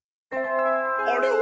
あれは！